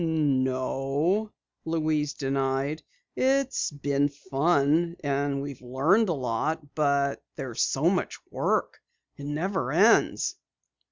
"No," Louise denied, "it's been fun, and we've learned a lot. But there's so much work. It never ends."